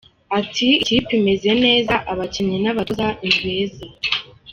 Ati“ikipe imeze neza abakinnyi n’abatoza ni beza.